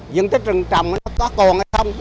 dân tích rừng trầm nó có còn hay không